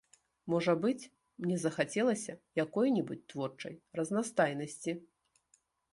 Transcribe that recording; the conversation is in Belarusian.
Можа быць, мне захацелася якой-небудзь творчай разнастайнасці.